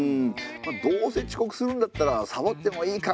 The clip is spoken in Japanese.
どうせ遅刻するんだったらサボってもいいか！